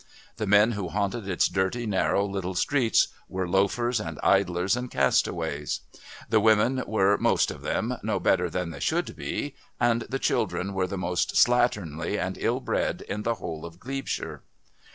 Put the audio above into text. The men who haunted its dirty, narrow little streets were loafers and idlers and castaways. The women were, most of them, no better than they should be, and the children were the most slatternly and ill bred in the whole of Glebeshire.